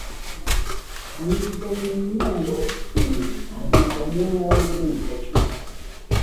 Nitwa BIMENYIMANA Cyprien, mvuka mu ntara y’uburengerazuba